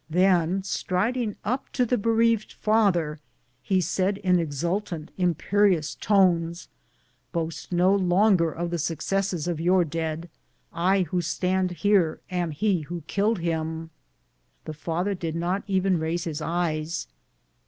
Then, striding up to the bereaved father, he said in exult ant, imperious tones, " Boast no longer of the successes of your dead, I who stand here am he who killed him !" The father did not even raise his eyes.